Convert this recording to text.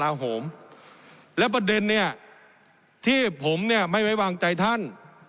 โหมและประเด็นเนี่ยที่ผมเนี่ยไม่ไว้วางใจท่าน